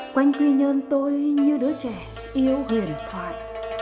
quanh quy nhơn tôi như đứa trẻ yêu huyền thoại